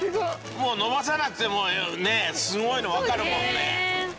もう伸ばさなくてもねすごいの分かるもんね。